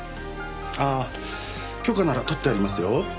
ああ許可なら取ってありますよ。